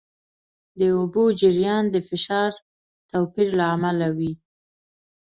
د اوبو جریان د فشار توپیر له امله وي.